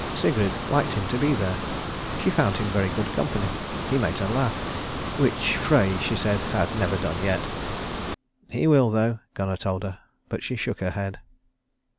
Sigrid liked him to be there. She found him very good company. He made her laugh, which Frey, she said, had never done yet. "He will though," Gunnar told her, but she shook her head.